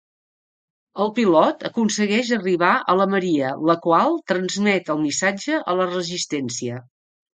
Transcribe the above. El pilot aconsegueix arribar a la Maria, la qual transmet el missatge a la resistència.